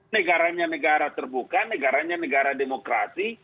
negaranya negara terbuka negaranya negara demokrasi